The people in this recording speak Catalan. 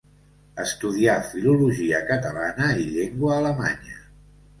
Estudià Filologia Catalana i Llengua Alemanya.